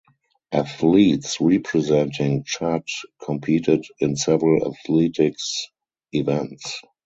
Athletes representing Chad competed in several athletics events.